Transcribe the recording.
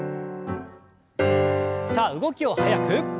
さあ動きを速く。